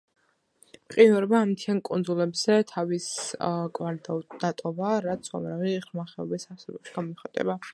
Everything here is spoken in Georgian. მყინვარებმა ამ მთიან კუნძულებზე თავის კვალი დატოვა, რაც უამრავი ღრმა ხეობის არსებობაში გამოიხატება.